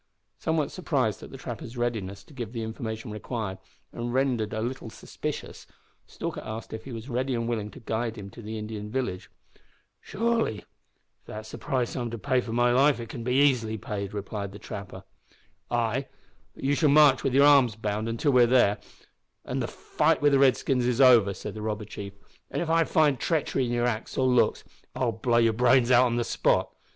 Somewhat surprised at the trapper's readiness to give the information required, and rendered a little suspicious, Stalker asked if he was ready and willing to guide him to the Indian village. "Surely. If that's the price I'm to pay for my life, it can be easily paid," replied the trapper. "Ay, but you shall march with your arms bound until we are there, and the fight wi' the redskins is over," said the robber chief, "and if I find treachery in your acts or looks I'll blow your brains out on the spot.